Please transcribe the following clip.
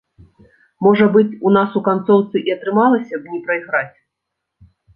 Можа быць, у нас у канцоўцы і атрымалася б не прайграць.